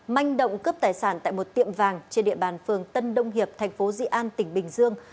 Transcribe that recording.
manh động cướp tài sản tại một tiệm vàng trên địa bàn phường tân đông hiệp thành phố dị an tỉnh bình dương